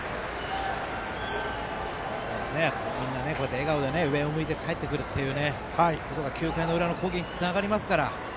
みんな、笑顔で上を向いて帰ってくるというのが９回の裏の攻撃につながりますから。